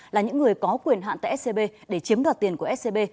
là những người có quyền hạn tại scb để chiếm đoạt tiền của scb